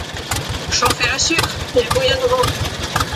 Chauffez le sucre, il bouillonnera.